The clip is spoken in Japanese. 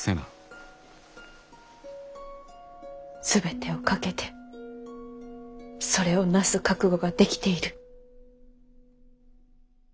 全てを懸けてそれをなす覚悟ができている。